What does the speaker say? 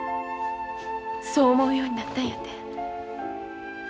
そう思うようになったんやて。